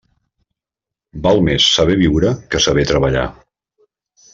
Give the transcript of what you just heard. Val més saber viure que saber treballar.